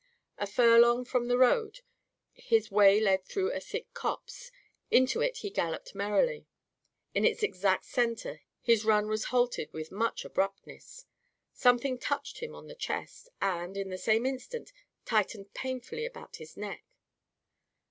A furlong from the road, his way led through a thick copse. Into it he galloped merrily. In its exact centre his run was halted with much abruptness. Something touched him on the chest, and, in the same instant, tightened painfully about his neck.